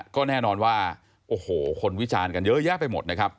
ก็แน่นอนว่าโอ้โหคนวิจารณ์กันเยอะแยะไปหมดนะครับ